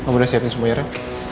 sudah siapin semua ya rena